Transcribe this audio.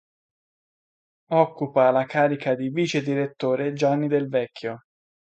Occupa la carica di vicedirettore Gianni Del Vecchio.